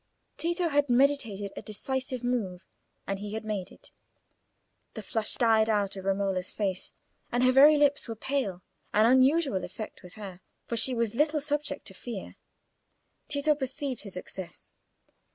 Tito had meditated a decisive move, and he had made it. The flush died out of Romola's face, and her very lips were pale—an unusual effect with her, for she was little subject to fear. Tito perceived his success.